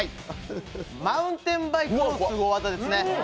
マウンテンバイクスポーツの技ですね。